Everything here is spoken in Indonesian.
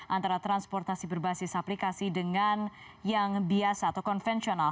antara transportasi berbasis aplikasi dengan yang biasa atau konvensional